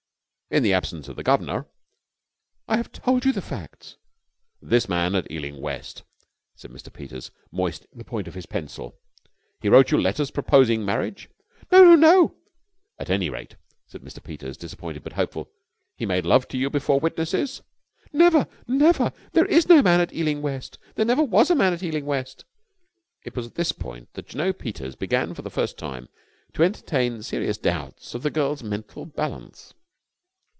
"In the absence of the Guv'nor...." "I have told you the facts!" "This man at Ealing West," said Mr. Peters, moistening the point of his pencil, "he wrote you letters proposing marriage?" "No, no, no!" "At any rate," said Mr. Peters, disappointed but hopeful, "he made love to you before witnesses?" "Never! Never! There is no man at Ealing West! There never was a man at Ealing West!" It was at this point that Jno. Peters began for the first time to entertain serious doubts of the girl's mental balance.